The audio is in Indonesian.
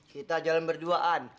kita jalan berduaan